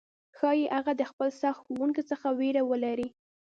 ښايي هغه د خپل سخت ښوونکي څخه ویره ولري،